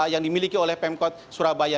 yang dimiliki oleh pemkot surabaya